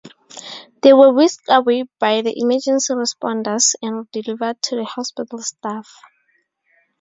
They were whisked away by the emergency responders and delivered to the hospital staff.